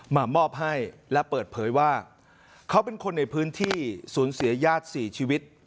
มามอบให้และเปิดเผยว่าเขาเป็นคนในพื้นที่สูญเสียญาติ๔ชีวิต